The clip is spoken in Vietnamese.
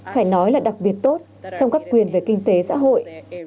phải nói là đặc biệt tốt trong các quyền về kinh tế xã hội